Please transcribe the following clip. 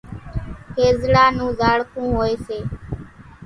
کيزڙا نون زاڙکون هوئيَ سي۔